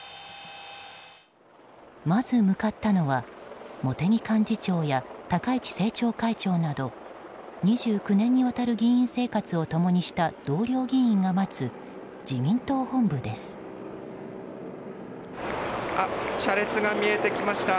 まず向かったのは茂木幹事長や高市政調会長など２９年にわたる議員生活を共にした車列が見えてきました。